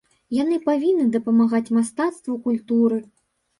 Яны павінны дапамагаць мастацтву, культуры.